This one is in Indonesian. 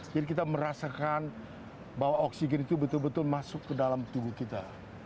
jadi kita merasakan bahwa oksigen itu betul betul masuk ke dalam tubuh kita